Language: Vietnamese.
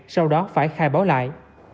sau đó phải khai báo lại